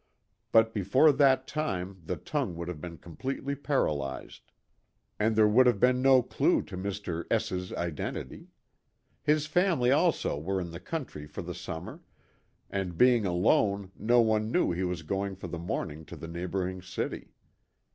But before that time the tongue would have been completely paralyzed. And there would have been no clue to Mr. S 's identity. His family also were in the country for the summer, and being alone no one knew he was going for the morning to the neigh boring city.